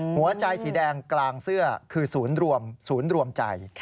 หัวใจฉทางสีแดงทางเสื้อคือศูนย์รวมใจ